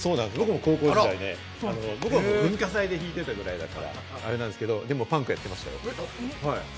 高校時代、僕は文化祭で弾いてたぐらいだったんですけれども、パンクやってましたよ。